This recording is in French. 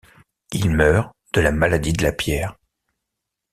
Il meurt de la maladie de la pierre.